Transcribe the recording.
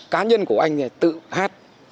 cá nhân của anh tự hát